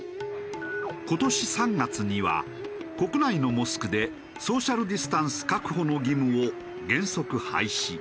今年３月には国内のモスクでソーシャルディスタンス確保の義務を原則廃止。